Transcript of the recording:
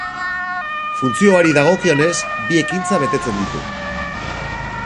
Funtzioari dagokionez, bi ekintza betetzen ditu.